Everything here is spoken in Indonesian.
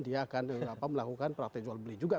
dia akan melakukan praktek jual beli juga